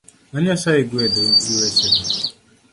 Mad Nyasaye gwedhu gi wechego